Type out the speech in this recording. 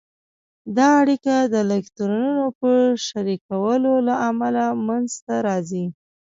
دا اړیکه د الکترونونو په شریکولو له امله منځته راځي.